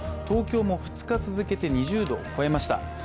東京も２日続けて２０度を超えました。